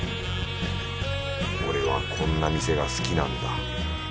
俺はこんな店が好きなんだ。